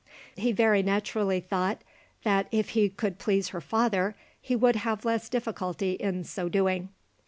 He very naturally thought that if he could please her father, he would have less difficulty in so doing.